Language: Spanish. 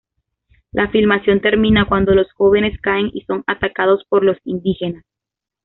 La filmación termina cuando los jóvenes caen y son atacados por los indígenas.